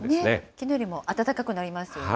きのうよりも暖かくなりますよね。